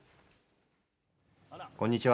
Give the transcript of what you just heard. こんにちは。